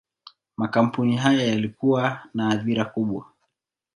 Makampuni haya yalikuwa na athira kubwa.